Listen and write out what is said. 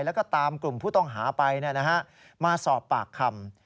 แล้วก็ตามกลุ่มผู้ต้องหาไปมาสอบปากคำ